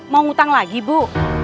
mau utang lagi bu